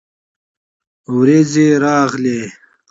ورېځې راغلې